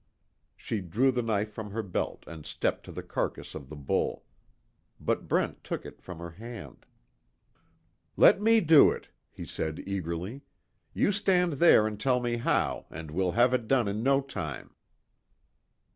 She drew the knife from her belt and stepped to the carcass of the bull. But Brent took it from her hand. "Let me do it," he said, eagerly, "You stand there and tell me how, and we'll have it done in no time."